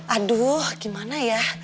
aduh gimana ya